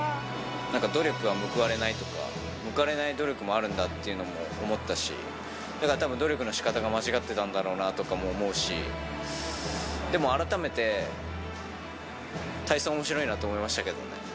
努力は報われないとか、報われない努力もあるんだというのも思ったし、たぶん努力のしかたが間違ってたんだろうなとかも思うし、でも改めて体操おもしろいなと思いましたけどね。